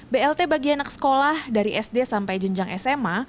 blt bagi anak sekolah dari sd sampai jenjang sma